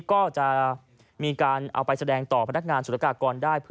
ก็จะมีการเอาไปแสดงต่อพนักงานสุรกากรได้